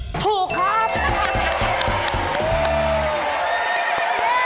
ถูกถูกถูกถูกถูกถูกถูก